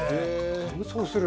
乾燥する？